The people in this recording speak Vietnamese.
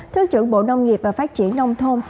thứ trưởng bộ nông nghiệp và phát triển nông thôn